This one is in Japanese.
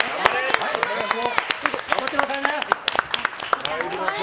頑張ってくださいね！